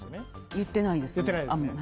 言ってないです。